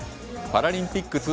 パラリンピック